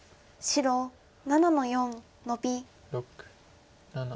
白７の四ノビ。